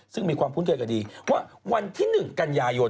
ซึ่งมีความคุ้นเคยกับดีว่าวันที่๑กันยายน